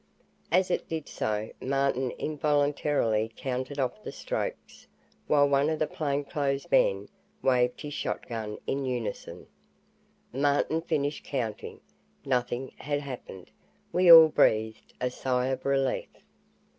As it did so, Martin involuntarily counted off the strokes, while one of the plainclothesmen waved his shotgun in unison. Martin finished counting. Nothing had happened. We all breathed a sigh of relief.